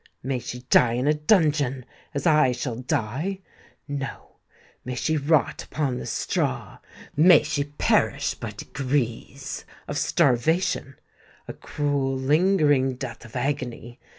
May she die in a dungeon, as I shall die: no, may she rot upon the straw—may she perish by degrees—of starvation,—a cruel, lingering death of agony!